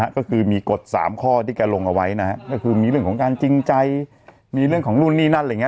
ก็คือมีกฎสามข้อที่แกลงเอาไว้มีเรื่องของการจริงใจมีเรื่องของรุ่นนี่นั่น